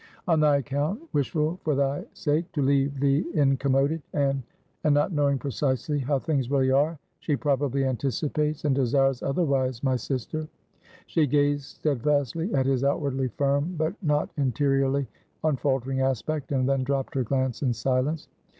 "On thy account; wishful for thy sake; to leave thee incommoded; and and not knowing precisely how things really are; she probably anticipates and desires otherwise, my sister." She gazed steadfastly at his outwardly firm, but not interiorly unfaltering aspect; and then dropped her glance in silence.